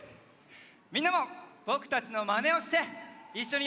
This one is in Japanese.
みんなもぼくたちのまねをしていっしょにやってね！